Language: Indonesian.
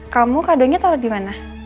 kamu kadonya taruh di mana